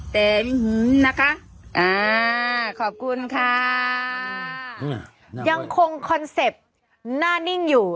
แต่นะคะอ่าขอบคุณค่ะยังคงคอนเซ็ปต์หน้านิ่งอยู่